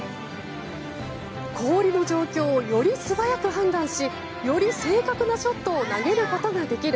氷の状況をより素早く判断しより正確なショットを投げることができる。